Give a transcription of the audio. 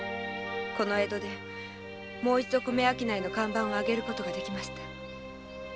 この江戸でもう一度米商いの看板を揚げることができました。